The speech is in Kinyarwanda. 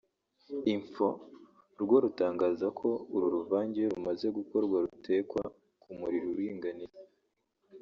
Info rwo rutangaza ko uru ruvange iyo rumaze gukorwa rutekwa ku muriro uringaniye